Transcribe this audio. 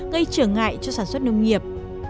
gây trở ngại cho sản xuất nông nghiệp